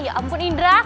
ya ampun indra